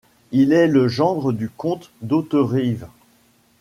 Il est le gendre du comte d'Hauterive.